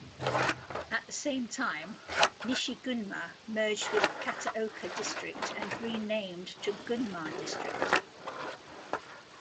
At the same time, Nishigunma merged with Kataoka District and renamed to Gunma District.